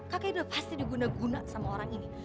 kakek itu pasti diguna guna sama orang ini